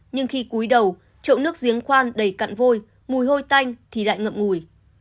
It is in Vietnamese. nhưng khi cúi đầu trộn nước giếng khoan đầy cặn vôi mùi hôi tanh thì lại ngậm ngùi